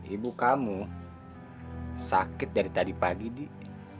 ibu kamu sakit dari tadi pagi dik